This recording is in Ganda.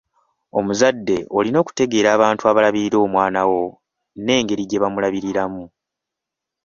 Omuzadde olina okutegeera abantu abalabirira omwanawo n’engeri gye bamulabiriramu.